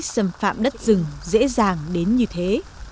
xâm phạm đất rừng dễ dàng đến như thế